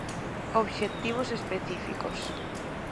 Obxectivos específicos.